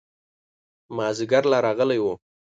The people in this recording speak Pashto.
مازدیګر لا راغلی و.